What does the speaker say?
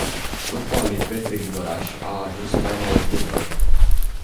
Trupa lui Petre Grigoraș a ajuns spaima oltenilor.